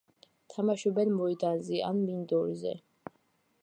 თამაშობენ მოედანზე ან მინდორზე.